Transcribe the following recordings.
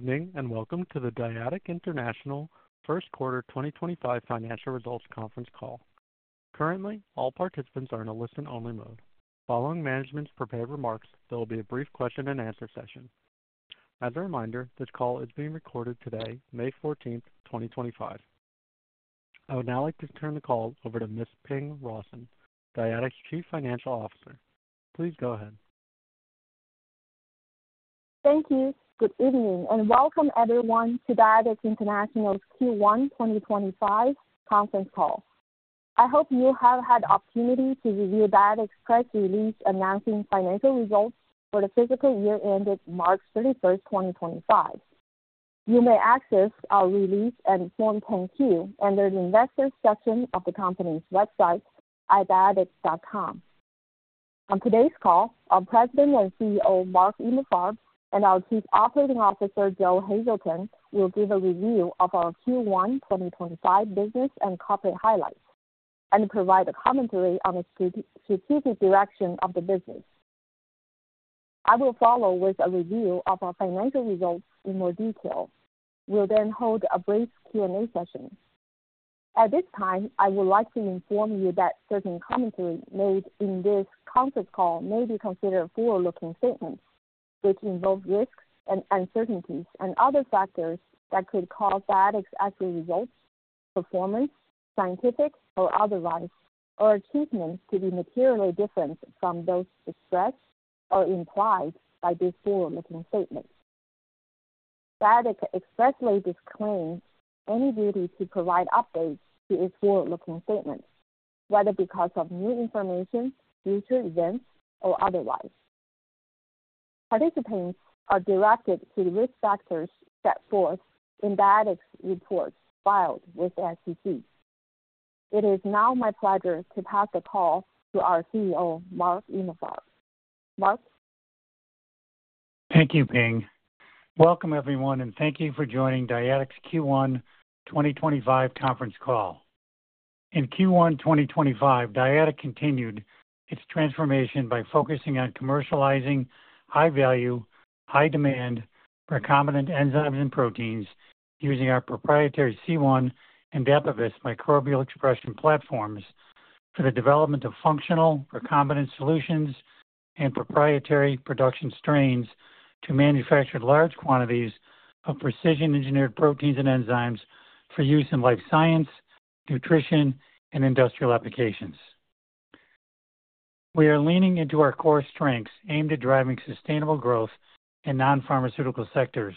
Good evening and welcome to the Dyadic International first quarter 2025 financial results conference call. Currently, all participants are in a listen-only mode. Following management's prepared remarks, there will be a brief question-and-answer session. As a reminder, this call is being recorded today, May 14th, 2025. I would now like to turn the call over to Ms. Ping Rawson, Dyadic's Chief Financial Officer. Please go ahead. Thank you. Good evening and welcome everyone to Dyadic International's Q1 2025 conference call. I hope you have had the opportunity to review Dyadic's press release announcing financial results for the fiscal year ended March 31st, 2025. You may access our release and Form 10-Q under the Investor section of the company's website, dyadic.com. On today's call, our President and CEO, Mark Emalfarb, and our Chief Operating Officer, Joe Hazelton, will give a review of our Q1 2025 business and corporate highlights and provide a commentary on the strategic direction of the business. I will follow with a review of our financial results in more detail. We'll then hold a brief Q&A session. At this time, I would like to inform you that certain commentary made in this conference call may be considered forward-looking statements, which involve risks and uncertainties and other factors that could cause Dyadic's actual results, performance, scientific or otherwise, or achievements to be materially different from those expressed or implied by these forward-looking statements. Dyadic expressly disclaims any duty to provide updates to its forward-looking statements, whether because of new information, future events, or otherwise. Participants are directed to the risk factors set forth in Dyadic's reports filed with SEC. It is now my pleasure to pass the call to our CEO, Marc Emalfarb. Marc. Thank you, Ping. Welcome, everyone, and thank you for joining Dyadic's Q1 2025 conference call. In Q1 2025, Dyadic continued its transformation by focusing on commercializing high-value, high-demand, recombinant enzymes and proteins using our proprietary C1 and Dapibus microbial expression platforms for the development of functional recombinant solutions and proprietary production strains to manufacture large quantities of precision-engineered proteins and enzymes for use in life science, nutrition, and industrial applications. We are leaning into our core strengths aimed at driving sustainable growth in non-pharmaceutical sectors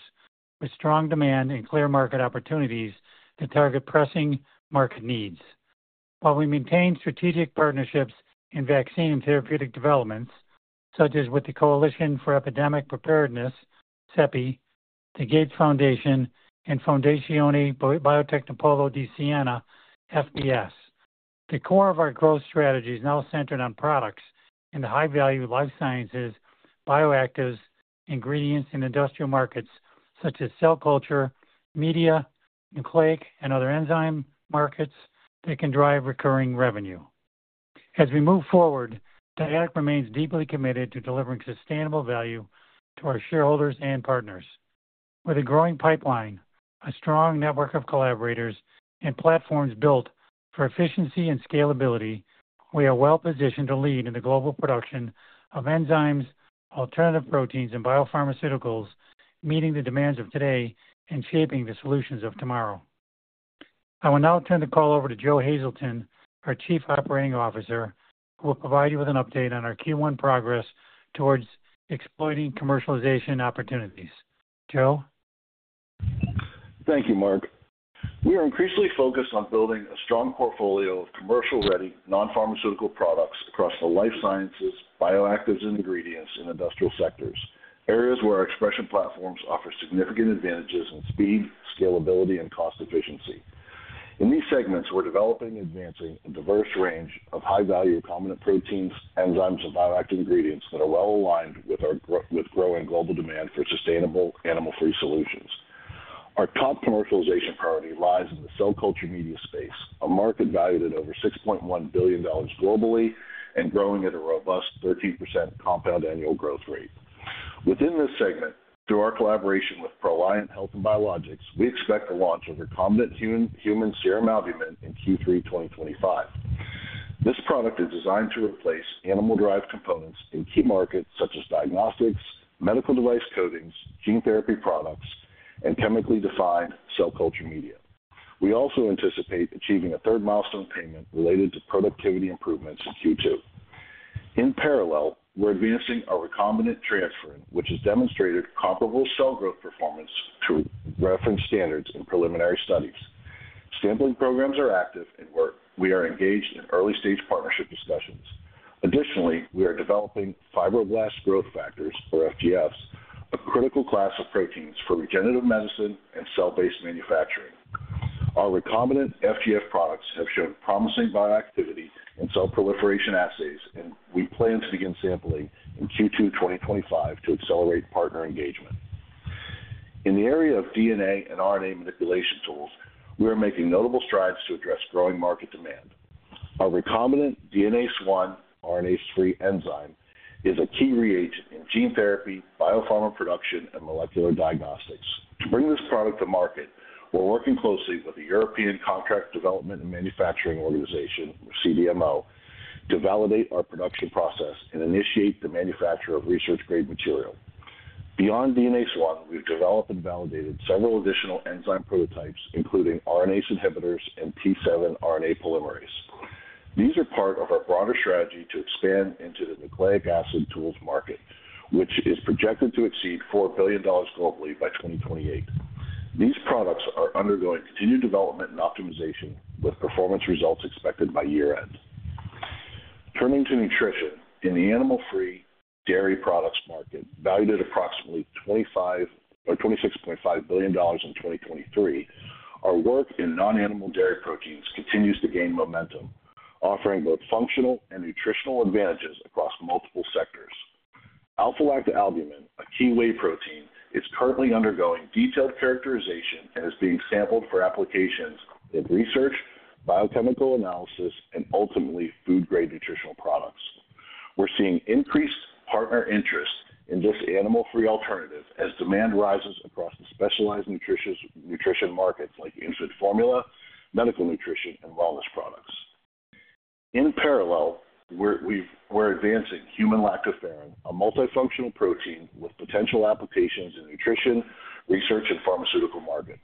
with strong demand and clear market opportunities to target pressing market needs. While we maintain strategic partnerships in vaccine and therapeutic developments, such as with the Coalition for Epidemic Preparedness, CEPI, the Fondazione Biotecnopolo di Siena, fbs, the core of our growth strategy is now centered on products in the high-value life sciences, bioactives, ingredients in industrial markets such as cell culture, media, nucleic, and other enzyme markets that can drive recurring revenue. As we move forward, Dyadic remains deeply committed to delivering sustainable value to our shareholders and partners. With a growing pipeline, a strong network of collaborators, and platforms built for efficiency and scalability, we are well positioned to lead in the global production of enzymes, alternative proteins, and biopharmaceuticals, meeting the demands of today and shaping the solutions of tomorrow. I will now turn the call over to Joe Hazelton, our Chief Operating Officer, who will provide you with an update on our Q1 progress towards exploiting commercialization opportunities. Joe? Thank you, Marc. We are increasingly focused on building a strong portfolio of commercial-ready non-pharmaceutical products across the life sciences, bioactives, and ingredients in industrial sectors, areas where our expression platforms offer significant advantages in speed, scalability, and cost efficiency. In these segments, we're developing and advancing a diverse range of high-value recombinant proteins, enzymes, and bioactive ingredients that are well aligned with our growing global demand for sustainable animal-free solutions. Our top commercialization priority lies in the cell culture media space, a market valued at over $6.1 billion globally and growing at a robust 13% compound annual growth rate. Within this segment, through our collaboration with Proliant Health & Biologicals, we expect the launch of recombinant human serum albumin in Q3 2025. This product is designed to replace animal-derived components in key markets such as diagnostics, medical device coatings, gene therapy products, and chemically defined cell culture media. We also anticipate achieving a third milestone payment related to productivity improvements in Q2. In parallel, we're advancing our recombinant transferrin, which has demonstrated comparable cell growth performance to reference standards in preliminary studies. Sampling programs are active and we are engaged in early-stage partnership discussions. Additionally, we are developing fibroblast growth factors, or FGFs, a critical class of proteins for regenerative medicine and cell-based manufacturing. Our recombinant FGF products have shown promising bioactivity in cell proliferation assays, and we plan to begin sampling in Q2 2025 to accelerate partner engagement. In the area of DNA and RNA manipulation tools, we are making notable strides to address growing market demand. Our recombinant DNase I RNase-3 enzyme is a key reagent in gene therapy, biopharma production, and molecular diagnostics. To bring this product to market, we're working closely with the European Contract Development and Manufacturing Organization, or CDMO, to validate our production process and initiate the manufacture of research-grade material. Beyond DNase I, we've developed and validated several additional enzyme prototypes, including RNase inhibitors and T7 RNA polymerase. These are part of our broader strategy to expand into the nucleic acid tools market, which is projected to exceed $4 billion globally by 2028. These products are undergoing continued development and optimization, with performance results expected by year-end. Turning to nutrition, in the animal-free dairy products market, valued at approximately $26.5 billion in 2023, our work in non-animal dairy proteins continues to gain momentum, offering both functional and nutritional advantages across multiple sectors. Alpha-lactalbumin, a key whey protein, is currently undergoing detailed characterization and is being sampled for applications in research, biochemical analysis, and ultimately food-grade nutritional products. We're seeing increased partner interest in this animal-free alternative as demand rises across the specialized nutrition markets like infant formula, medical nutrition, and wellness products. In parallel, we're advancing human lactoferrin, a multifunctional protein with potential applications in nutrition, research, and pharmaceutical markets,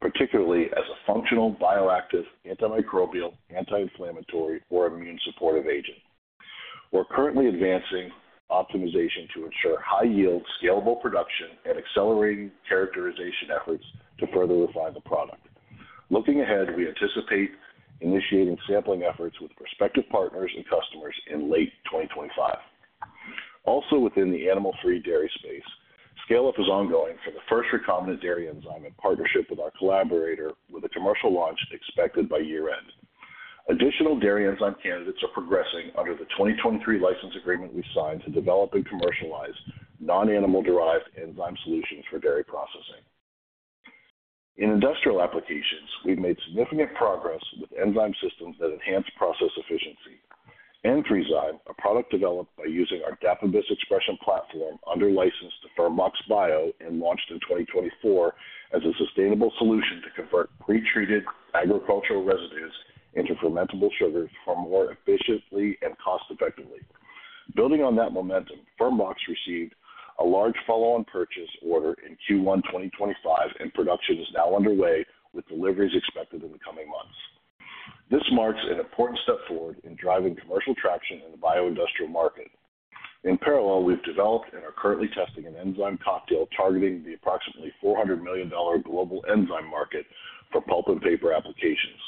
particularly as a functional bioactive antimicrobial, anti-inflammatory, or immune-supportive agent. We're currently advancing optimization to ensure high-yield, scalable production and accelerating characterization efforts to further refine the product. Looking ahead, we anticipate initiating sampling efforts with prospective partners and customers in late 2025. Also, within the animal-free dairy space, scale-up is ongoing for the first recombinant dairy enzyme in partnership with our collaborator, with a commercial launch expected by year-end. Additional dairy enzyme candidates are progressing under the 2023 license agreement we signed to develop and commercialize non-animal-derived enzyme solutions for dairy processing. In industrial applications, we've made significant progress with enzyme systems that enhance process efficiency. Enthryzyme, a product developed by using our Dapibus expression platform under license to Fermacs Bio and launched in 2024 as a sustainable solution to convert pretreated agricultural residues into fermentable sugars more efficiently and cost-effectively. Building on that momentum, Fermacs received a large follow-on purchase order in Q1 2025, and production is now underway, with deliveries expected in the coming months. This marks an important step forward in driving commercial traction in the bio-industrial market. In parallel, we've developed and are currently testing an enzyme cocktail targeting the approximately $400 million global enzyme market for pulp and paper applications,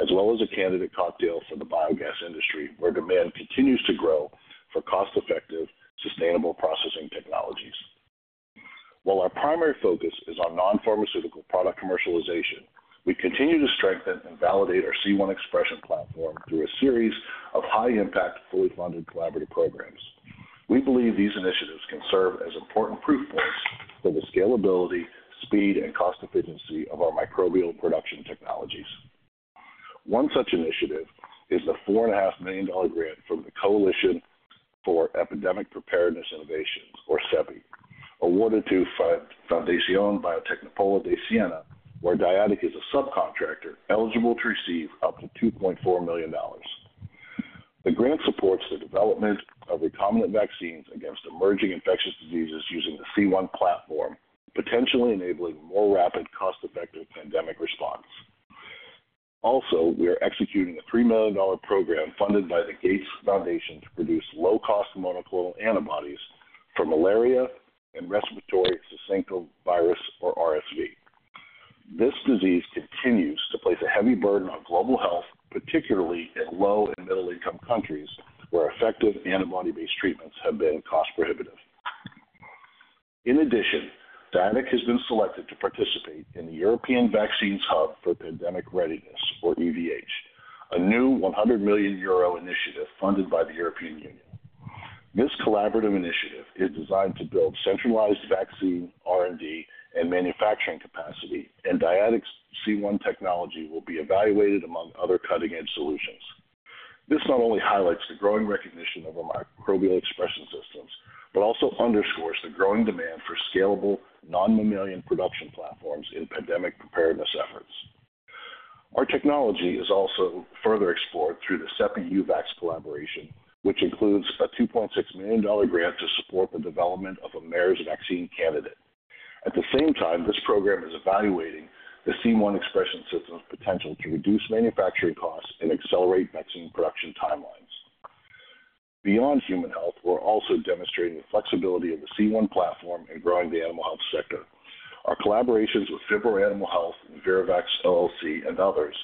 as well as a candidate cocktail for the biogas industry, where demand continues to grow for cost-effective, sustainable processing technologies. While our primary focus is on non-pharmaceutical product commercialization, we continue to strengthen and validate our C1 expression platform through a series of high-impact, fully-funded collaborative programs. We believe these initiatives can serve as important proof points for the scalability, speed, and cost efficiency of our microbial production technologies. One such initiative is the $4.5 million grant from the Coalition for Epidemic Preparedness Innovations, or CEPI, awarded to Fondazione Biotecnopolo di Siena, where Dyadic is a subcontractor eligible to receive up to $2.4 million. The grant supports the development of recombinant vaccines against emerging infectious diseases using the C1 platform, potentially enabling more rapid, cost-effective pandemic response. Also, we are executing a $3 million program funded by the Gates Foundation to produce low-cost monoclonal antibodies for malaria and respiratory syncytial virus, or RSV. This disease continues to place a heavy burden on global health, particularly in low and middle-income countries where effective antibody-based treatments have been cost-prohibitive. In addition, Dyadic has been selected to participate in the European Vaccines Hub for Pandemic Readiness, or EVH, a new 100 million euro initiative funded by the European Union. This collaborative initiative is designed to build centralized vaccine R&D and manufacturing capacity, and Dyadic's C1 technology will be evaluated among other cutting-edge solutions. This not only highlights the growing recognition of our microbial expression systems but also underscores the growing demand for scalable non-mammalian production platforms in pandemic preparedness efforts. Our technology is also further explored through the CEPI-Uvax Bio collaboration, which includes a $2.6 million grant to support the development of a MERS vaccine candidate. At the same time, this program is evaluating the C1 expression system's potential to reduce manufacturing costs and accelerate vaccine production timelines. Beyond human health, we're also demonstrating the flexibility of the C1 platform in growing the animal health sector. Our collaborations with Phibro Animal Health, ViroVax LLC, and others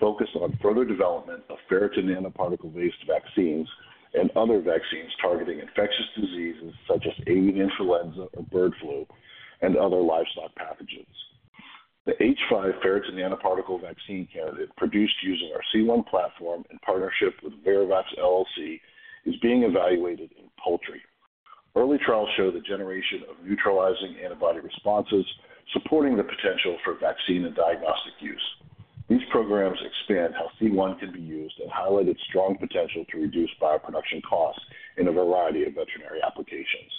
focus on further development of ferritin nanoparticle-based vaccines and other vaccines targeting infectious diseases such as avian influenza or bird flu and other livestock pathogens. The H5 ferritin nanoparticle vaccine candidate, produced using our C1 platform in partnership with ViroVax LLC, is being evaluated in poultry. Early trials show the generation of neutralizing antibody responses supporting the potential for vaccine and diagnostic use. These programs expand how C1 can be used and highlight its strong potential to reduce bioproduction costs in a variety of veterinary applications.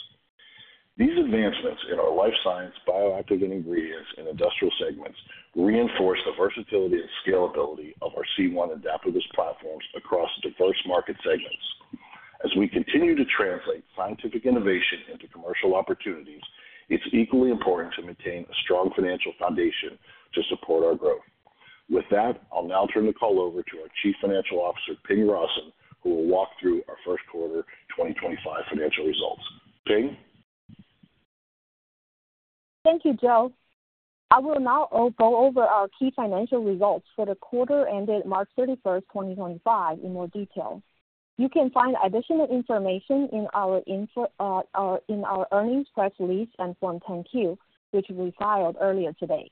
These advancements in our life science, bioactive ingredients, and industrial segments reinforce the versatility and scalability of our C1 and Dapivis platforms across diverse market segments. As we continue to translate scientific innovation into commercial opportunities, it's equally important to maintain a strong financial foundation to support our growth. With that, I'll now turn the call over to our Chief Financial Officer, Ping Rawson, who will walk through our first quarter 2025 financial results. Ping? Thank you, Joe. I will now go over our key financial results for the quarter ended March 31, 2025, in more detail. You can find additional information in our earnings press release and Form 10-Q, which we filed earlier today.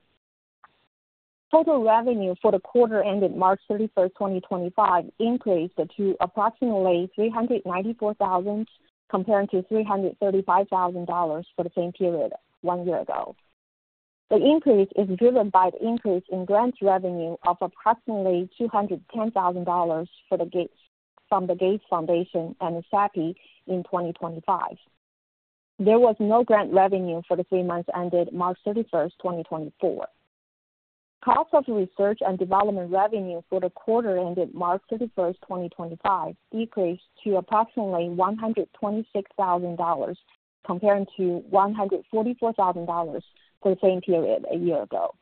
Total revenue for the quarter ended March 31st, 2025, increased to approximately $394,000, compared to $335,000 for the same period one year ago. The increase is driven by the increase in grant revenue of approximately $210,000 from the Gates Foundation and CEPI in 2025. There was no grant revenue for the three months ended March 31st, 2024. Cost of research and development revenue for the quarter ended March 31st, 2025, decreased to approximately $126,000, compared to $144,000 for the same period a year ago.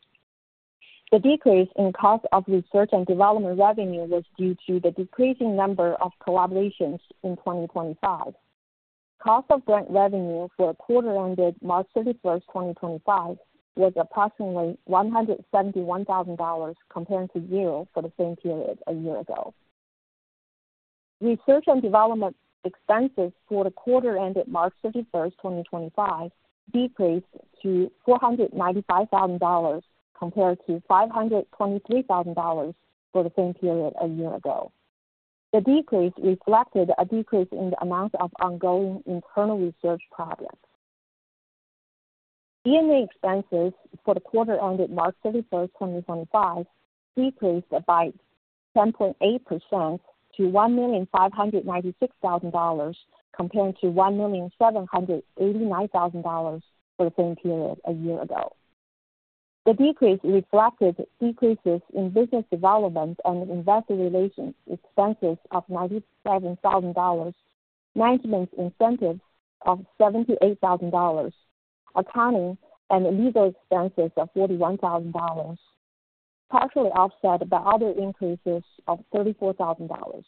The decrease in cost of research and development revenue was due to the decreasing number of collaborations in 2025. Cost of grant revenue for the quarter ended March 31st, 2025, was approximately $171,000, compared to zero for the same period a year ago. Research and development expenses for the quarter ended March 31, 2025, decreased to $495,000, compared to $523,000 for the same period a year ago. The decrease reflected a decrease in the amount of ongoing internal research projects. DNA expenses for the quarter ended March 31st, 2025, decreased by 10.8% to $1,596,000, compared to $1,789,000 for the same period a year ago. The decrease reflected decreases in business development and investor relations expenses of $97,000, management incentives of $78,000, accounting and legal expenses of $41,000, partially offset by other increases of $34,000.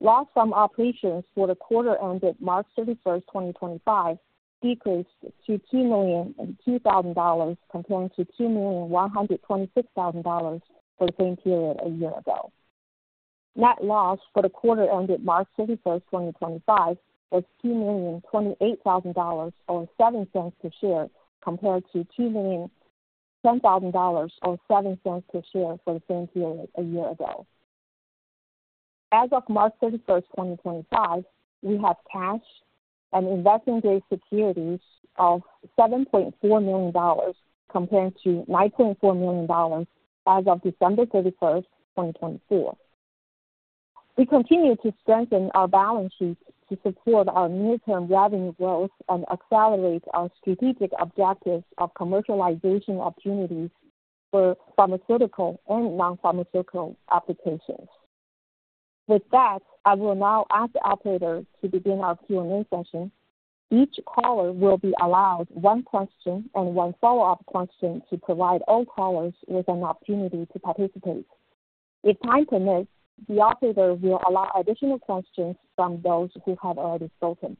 Loss from operations for the quarter ended March 31, 2025, decreased to $2,002,000, compared to $2,126,000 for the same period a year ago. Net loss for the quarter ended March 31st, 2025, was $2,028,000 or $0.07 per share, compared to $2,100,000 or $0.07 per share for the same period a year ago. As of March 31st, 2025, we have cash and investment-grade securities of $7.4 million, compared to $9.4 million as of December 31st, 2024. We continue to strengthen our balance sheet to support our near-term revenue growth and accelerate our strategic objectives of commercialization opportunities for pharmaceutical and non-pharmaceutical applications. With that, I will now ask the operator to begin our Q&A session. Each caller will be allowed one question and one follow-up question to provide all callers with an opportunity to participate. If time permits, the operator will allow additional questions from those who have already spoken.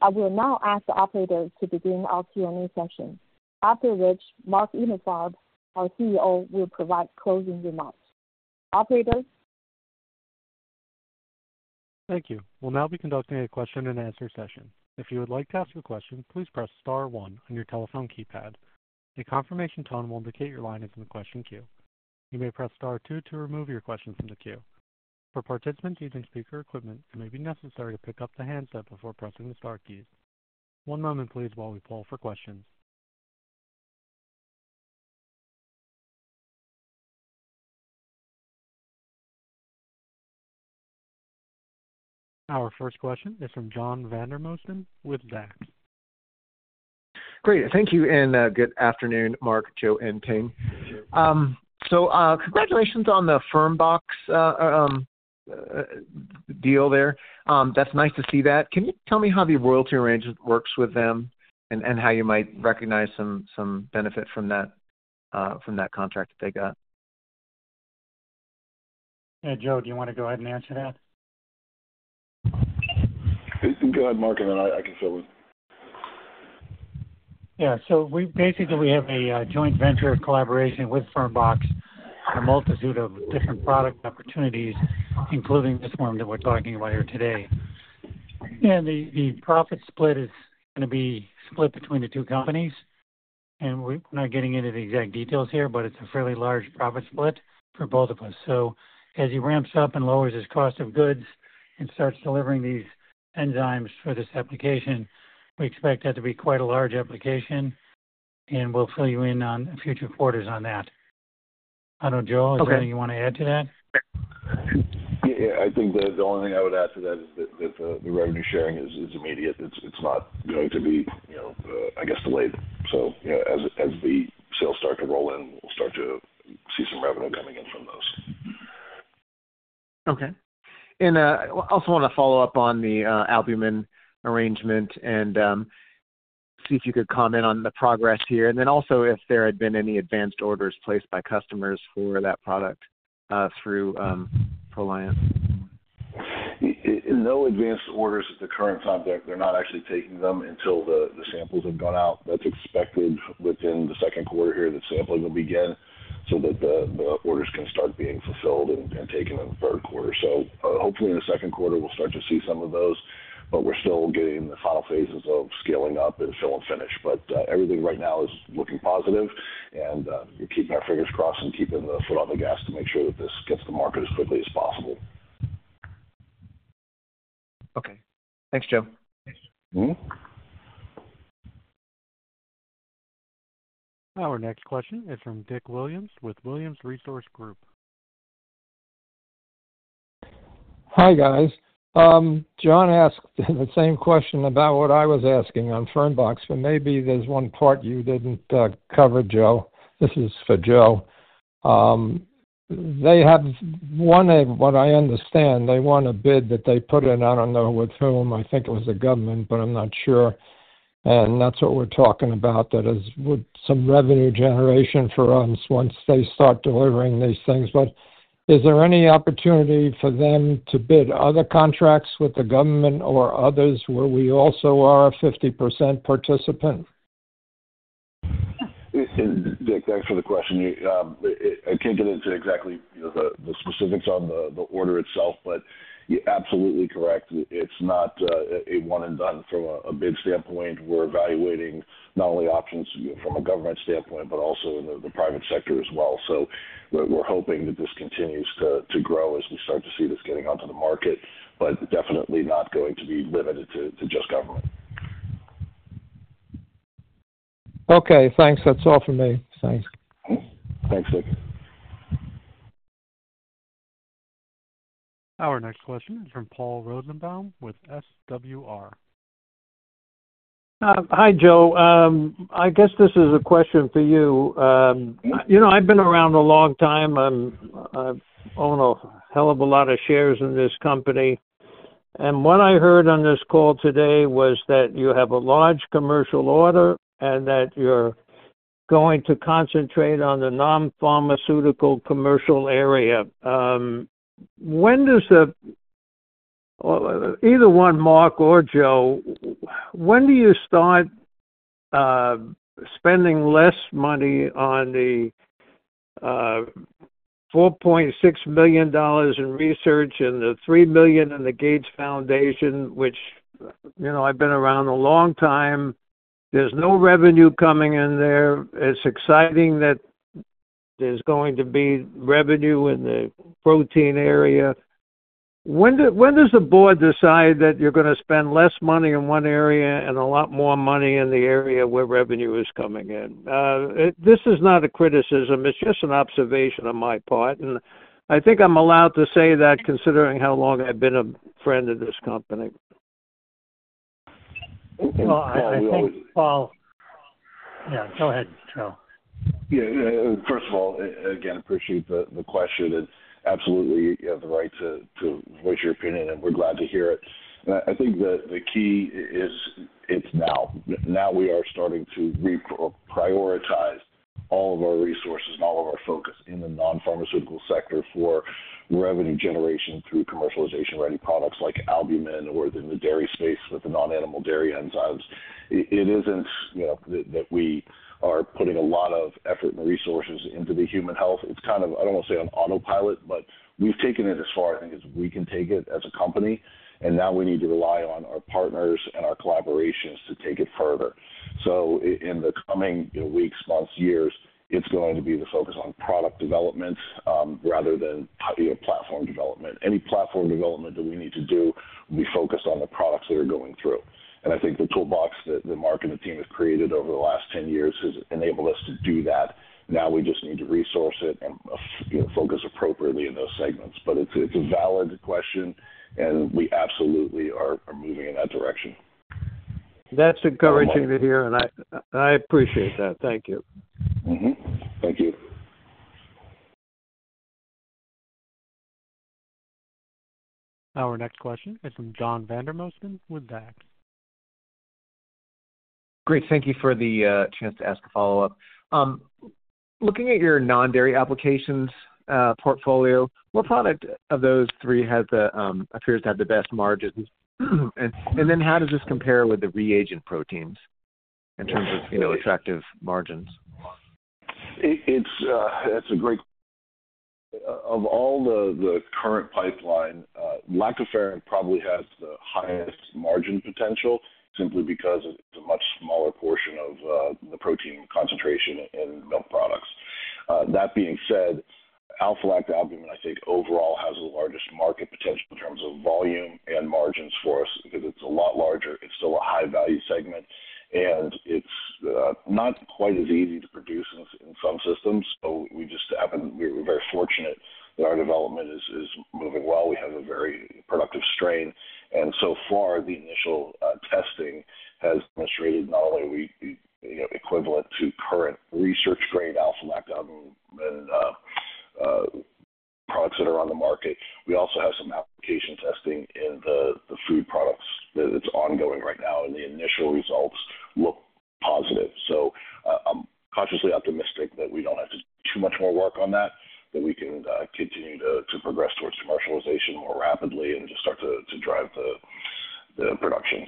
I will now ask the operator to begin our Q&A session, after which Marc Emalfarb, our CEO, will provide closing remarks. Operator? Thank you. We'll now be conducting a question-and-answer session. If you would like to ask a question, please press Star one on your telephone keypad. A confirmation tone will indicate your line is in the question queue. You may press Star two to remove your question from the queue. For participants using speaker equipment, it may be necessary to pick up the handset before pressing the Star keys. One moment, please, while we pull for questions. Our first question is from John Vandermosten with Zacks. Great. Thank you and good afternoon, Marc, Joe, and Ping. Congratulations on the FermBox Bio deal there. That's nice to see that. Can you tell me how the royalty arrangement works with them and how you might recognize some benefit from that contract that they got? Yeah, Joe, do you want to go ahead and answer that? Go ahead, Marc, and then I can fill in. Yeah. Basically, we have a joint venture collaboration with FermBox Bio for a multitude of different product opportunities, including this one that we are talking about here today. The profit split is going to be split between the two companies. We are not getting into the exact details here, but it is a fairly large profit split for both of us. As he ramps up and lowers his cost of goods and starts delivering these enzymes for this application, we expect that to be quite a large application. We will fill you in on future quarters on that. I do not know, Joe, is there anything you want to add to that? Yeah. I think the only thing I would add to that is that the revenue sharing is immediate. It's not going to be, I guess, delayed. As the sales start to roll in, we'll start to see some revenue coming in from those. Okay. I also want to follow up on the albumin arrangement and see if you could comment on the progress here. I also want to know if there had been any advanced orders placed by customers for that product through Proliant. No advanced orders at the current time. They're not actually taking them until the samples have gone out. That's expected within the second quarter here that sampling will begin so that the orders can start being fulfilled and taken in the third quarter. Hopefully, in the second quarter, we'll start to see some of those. We're still getting the final phases of scaling up and fill and finish. Everything right now is looking positive. We're keeping our fingers crossed and keeping the foot on the gas to make sure that this gets to market as quickly as possible. Okay. Thanks, Joe. Thanks. Our next question is from Dick Williams with Williams Resource Group. Hi, guys. John asked the same question about what I was asking on FermBox Bio, but maybe there's one part you didn't cover, Joe. This is for Joe. They have wanted, what I understand, they want a bid that they put in. I don't know with whom. I think it was the government, but I'm not sure. That is what we're talking about, that is some revenue generation for us once they start delivering these things. Is there any opportunity for them to bid other contracts with the government or others where we also are a 50% participant? Dick, thanks for the question. I can't get into exactly the specifics on the order itself, but you're absolutely correct. It's not a one-and-done from a bid standpoint. We're evaluating not only options from a government standpoint, but also in the private sector as well. We are hoping that this continues to grow as we start to see this getting onto the market, but definitely not going to be limited to just government. Okay. Thanks. That's all for me. Thanks. Thanks, Dick. Our next question is from Paul Rosenbaum with SWR. Hi, Joe. I guess this is a question for you. I've been around a long time. I own a hell of a lot of shares in this company. What I heard on this call today was that you have a large commercial order and that you're going to concentrate on the non-pharmaceutical commercial area. Either one, Marc or Joe, when do you start spending less money on the $4.6 million in research and the $3 million in the Gates Foundation, which I've been around a long time? There's no revenue coming in there. It's exciting that there's going to be revenue in the protein area. When does the board decide that you're going to spend less money in one area and a lot more money in the area where revenue is coming in? This is not a criticism. It's just an observation on my part. I think I'm allowed to say that considering how long I've been a friend of this company. I think Paul. Yeah, go ahead, Joe. Yeah. First of all, again, I appreciate the question. Absolutely, you have the right to voice your opinion, and we're glad to hear it. I think the key is now. Now we are starting to reprioritize all of our resources and all of our focus in the non-pharmaceutical sector for revenue generation through commercialization-ready products like albumin or in the dairy space with the non-animal dairy enzymes. It isn't that we are putting a lot of effort and resources into the human health. It's kind of, I don't want to say on autopilot, but we've taken it as far as we can take it as a company. Now we need to rely on our partners and our collaborations to take it further. In the coming weeks, months, years, it's going to be the focus on product development rather than platform development. Any platform development that we need to do will be focused on the products that are going through. I think the toolbox that Marc and the team have created over the last 10 years has enabled us to do that. Now we just need to resource it and focus appropriately in those segments. It is a valid question, and we absolutely are moving in that direction. That's encouraging to hear, and I appreciate that. Thank you. Thank you. Our next question is from John Vandermosten with DAX. Great. Thank you for the chance to ask a follow-up. Looking at your non-dairy applications portfolio, what product of those three appears to have the best margins? How does this compare with the reagent proteins in terms of attractive margins? It's a great question. Of all the current pipeline, lactoferrin probably has the highest margin potential simply because it's a much smaller portion of the protein concentration in milk products. That being said, alpha-lactalbumin, I think, overall has the largest market potential in terms of volume and margins for us because it's a lot larger. It's still a high-value segment, and it's not quite as easy to produce in some systems. We just happened to be very fortunate that our development is moving well. We have a very productive strain. And so far, the initial testing has demonstrated not only equivalent to current research-grade alpha-lactalbumin products that are on the market, we also have some application testing in the food products that is ongoing right now, and the initial results look positive. I'm cautiously optimistic that we don't have to do too much more work on that, that we can continue to progress towards commercialization more rapidly and just start to drive the production.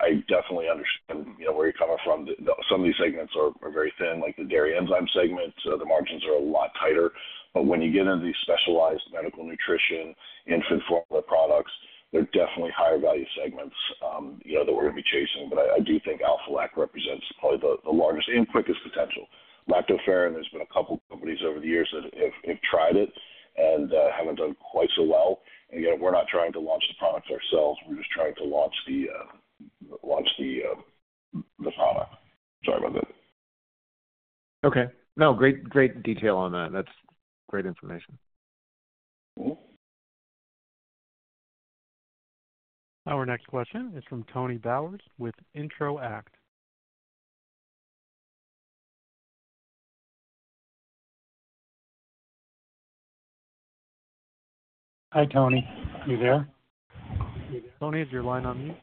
I definitely understand where you're coming from. Some of these segments are very thin, like the dairy enzyme segment. The margins are a lot tighter. When you get into these specialized medical nutrition, infant formula products, they're definitely higher-value segments that we're going to be chasing. I do think alpha-lactalbumin represents probably the largest and quickest potential. Lactoferrin, there's been a couple of companies over the years that have tried it and haven't done quite so well. Yet we're not trying to launch the product ourselves. We're just trying to launch the product. Sorry about that. Okay. No, great detail on that. That's great information. Our next question is from Tony Bowers with Introact. Hi, Tony. Are you there? Tony, is your line on mute?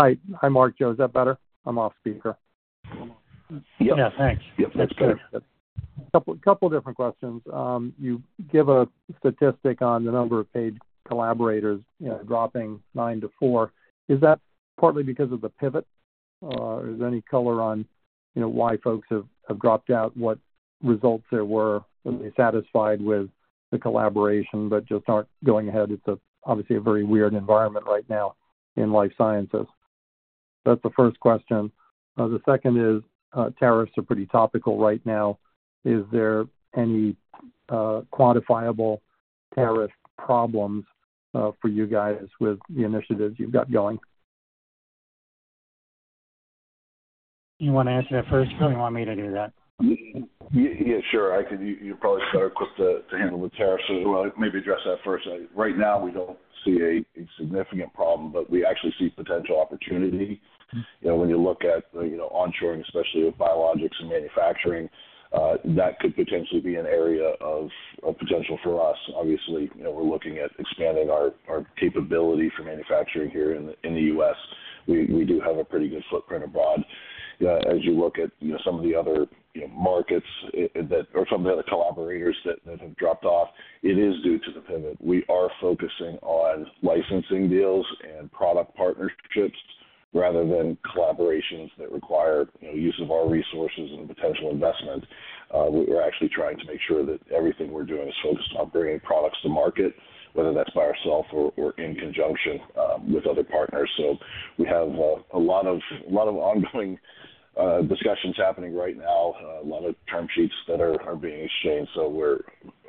Hi. Hi, Marc, Joe. Is that better? I'm off speaker. Yeah. Thanks. Yep. That's better. A couple of different questions. You give a statistic on the number of paid collaborators dropping nine to four. Is that partly because of the pivot? Is there any color on why folks have dropped out, what results there were, and they're satisfied with the collaboration, but just aren't going ahead? It's obviously a very weird environment right now in life sciences. That's the first question. The second is, tariffs are pretty topical right now. Is there any quantifiable tariff problems for you guys with the initiatives you've got going? You want to answer that first, or you want me to do that? Yeah, sure. You're probably better equipped to handle the tariffs as well. Maybe address that first. Right now, we don't see a significant problem, but we actually see potential opportunity. When you look at onshoring, especially with biologics and manufacturing, that could potentially be an area of potential for us. Obviously, we're looking at expanding our capability for manufacturing here in the U.S. We do have a pretty good footprint abroad. As you look at some of the other markets or some of the other collaborators that have dropped off, it is due to the pivot. We are focusing on licensing deals and product partnerships rather than collaborations that require use of our resources and potential investment. We're actually trying to make sure that everything we're doing is focused on bringing products to market, whether that's by ourself or in conjunction with other partners. We have a lot of ongoing discussions happening right now, a lot of term sheets that are being exchanged.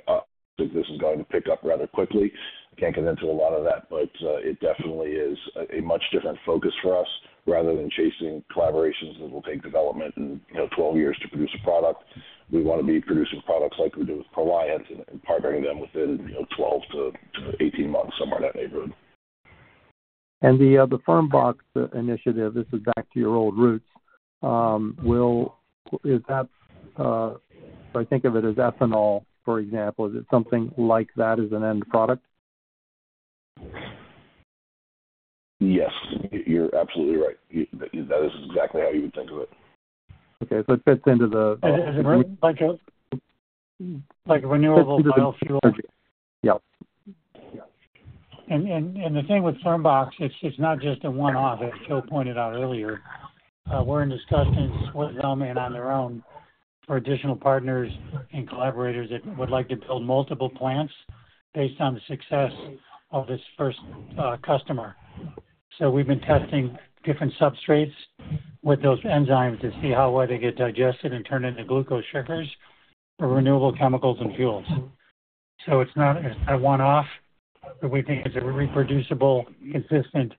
I think this is going to pick up rather quickly. I can't get into a lot of that, but it definitely is a much different focus for us rather than chasing collaborations that will take development and 12 years to produce a product. We want to be producing products like we do with Proliant and partnering them within 12 months-18 months, somewhere in that neighborhood. The FermBox initiative, this is back to your old roots. I think of it as ethanol, for example. Is it something like that as an end product? Yes. You're absolutely right. That is exactly how you would think of it. Okay. So it fits into the. Is it renewable biofuel? Yeah. The thing with FermBox Bio, it's not just a one-off, as Joe pointed out earlier. We're in discussions with them and on their own for additional partners and collaborators that would like to build multiple plants based on the success of this first customer. We've been testing different substrates with those enzymes to see how well they get digested and turned into glucose sugars for renewable chemicals and fuels. It's not a one-off, but we think it's a reproducible, consistent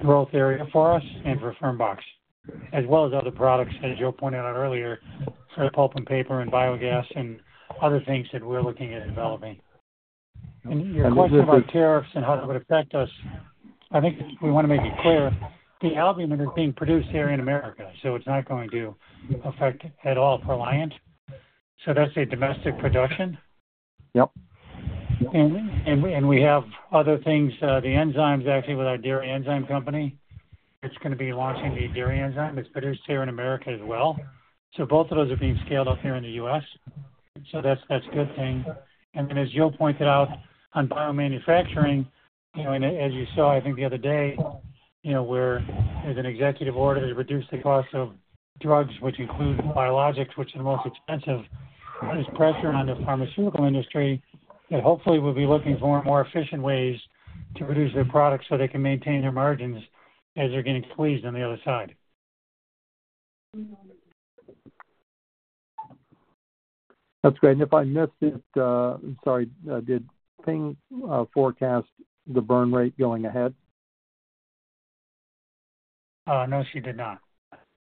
growth area for us and for FermBox Bio, as well as other products, as Joe pointed out earlier, for pulp and paper and biogas and other things that we're looking at developing. Your question about tariffs and how it would affect us, I think we want to make it clear. The albumin is being produced here in America, so it's not going to affect at all Proliant. That's a domestic production. We have other things. The enzymes, actually, with our dairy enzyme company, it's going to be launching the dairy enzyme. It's produced here in America as well. Both of those are being scaled up here in the U.S. That's a good thing. As Joe pointed out, on biomanufacturing, as you saw, I think the other day, there's an executive order to reduce the cost of drugs, which include biologics, which are the most expensive. There's pressure on the pharmaceutical industry that hopefully will be looking for more efficient ways to produce their products so they can maintain their margins as they're getting squeezed on the other side. That's great. If I missed it, sorry, did Ping forecast the burn rate going ahead? No, she did not.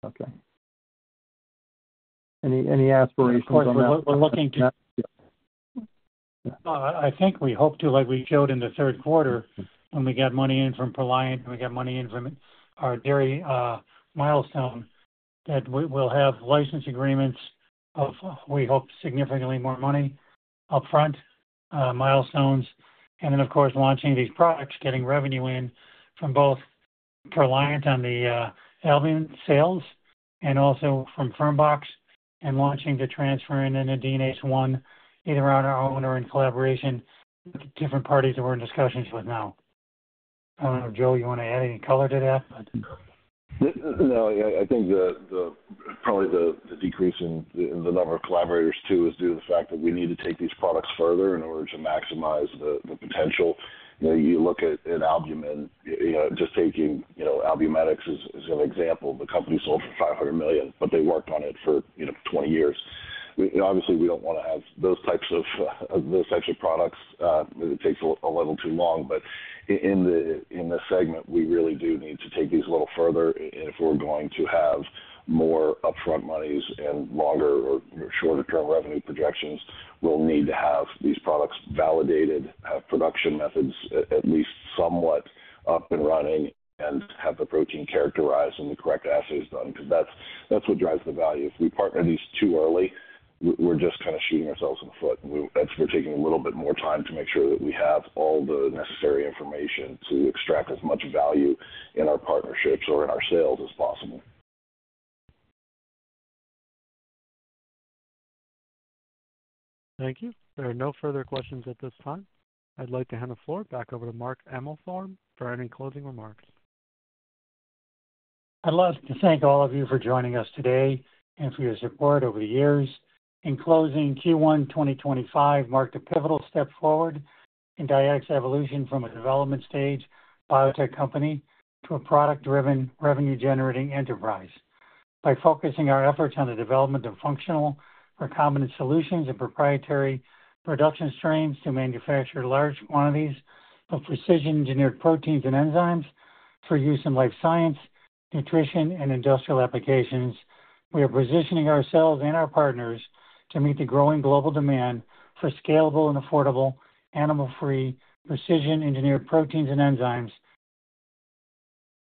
Okay. Any aspirations on that? I think we hope to, like we showed in the third quarter when we got money in from Proliant and we got money in from our dairy milestone, that we'll have license agreements of, we hope, significantly more money upfront, milestones. Of course, launching these products, getting revenue in from both Proliant on the albumin sales and also from FermBox and launching the transferrin and the DNase I, either on our own or in collaboration with different parties that we're in discussions with now. I don't know if Joe, you want to add any color to that, but. No, I think probably the decrease in the number of collaborators, too, is due to the fact that we need to take these products further in order to maximize the potential. You look at albumin, just taking Albumetics as an example, the company sold for $500 million, but they worked on it for 20 years. Obviously, we do not want to have those types of products. It takes a little too long. In the segment, we really do need to take these a little further. If we are going to have more upfront monies and longer or shorter-term revenue projections, we will need to have these products validated, have production methods at least somewhat up and running, and have the protein characterized and the correct assays done because that is what drives the value. If we partner these too early, we are just kind of shooting ourselves in the foot. We're taking a little bit more time to make sure that we have all the necessary information to extract as much value in our partnerships or in our sales as possible. Thank you. There are no further questions at this time. I'd like to hand the floor back over to Marc Emalfarb for any closing remarks. I'd love to thank all of you for joining us today and for your support over the years. In closing, Q1 2025 marked a pivotal step forward in Dyadic's evolution from a development stage biotech company to a product-driven, revenue-generating enterprise. By focusing our efforts on the development of functional, recombinant solutions and proprietary production streams to manufacture large quantities of precision-engineered proteins and enzymes for use in life science, nutrition, and industrial applications, we are positioning ourselves and our partners to meet the growing global demand for scalable and affordable, animal-free, precision-engineered proteins and enzymes.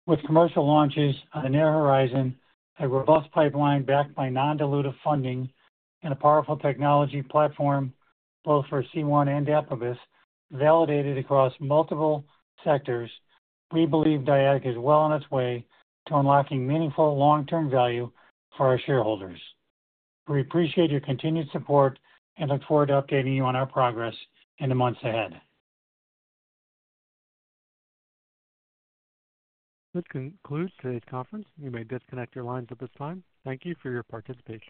With commercial launches on the near horizon, a robust pipeline backed by non-dilutive funding, and a powerful technology platform, both for C1 and Dapibus, validated across multiple sectors, we believe Dyadic is well on its way to unlocking meaningful long-term value for our shareholders. We appreciate your continued support and look forward to updating you on our progress in the months ahead. This concludes today's conference. You may disconnect your lines at this time. Thank you for your participation.